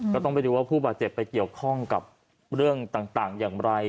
ก็ต้องไปดูว่าผู้บาดเจ็บไปเกี่ยวข้องกับเรื่องต่างอย่างไร